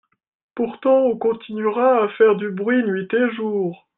Pourtant on continuera à faire du bruit nuit et jour.